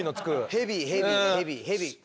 ヘビヘビヘビヘビ。